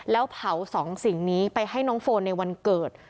แล้วเผาสองสิ่งนี้ไปให้น้องโฟนในวันเกิด